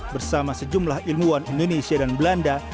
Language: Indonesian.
bersama sejumlah ilmuwan indonesia dan belanda